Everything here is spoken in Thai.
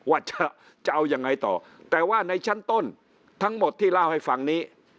ว่าจะเอายังไงต่อแต่ว่าในชั้นต้นทั้งหมดที่เล่าให้ฟังนี้